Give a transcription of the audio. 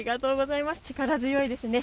力強いですね。